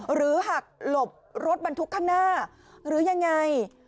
หักหลบรถบรรทุกข้างหน้าหรือยังไง